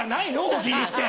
大喜利って！